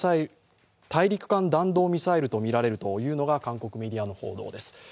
大陸間弾道ミサイルとみられるというのが韓国メディアの報道です。